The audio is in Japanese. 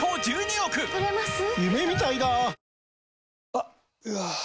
あっ、うわー。